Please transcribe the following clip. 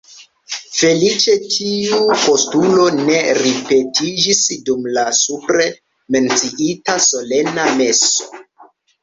Feliĉe tiu postulo ne ripetiĝis dum la supre menciita solena meso.